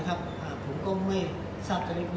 คุณคิดว่ามันเจ็บไปหรือมันเจ็บไปกัน